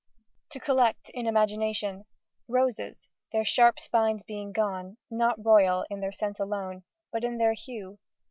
to collect, in imagination, Roses, their sharp spines being gone, Not royal in their scent alone, But in their hue.